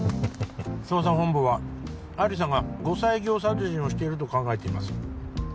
捜査本部は亜理紗が後妻業殺人をしていると考えています